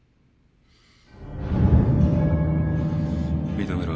認めろ。